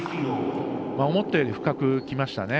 思ったより深くきましたね。